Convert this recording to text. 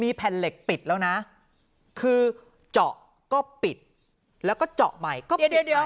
แผ่นเหล็กปิดแล้วนะคือเจาะก็ปิดแล้วก็เจาะใหม่ก็ปิดเดียว